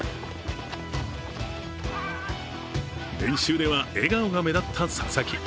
練習では笑顔が目立った佐々木。